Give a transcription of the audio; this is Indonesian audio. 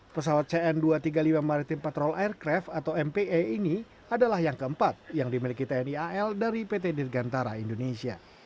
pesawat cn dua ratus tiga puluh lima maritim patrol aircraft atau mpe ini adalah yang keempat yang dimiliki tni al dari pt dirgantara indonesia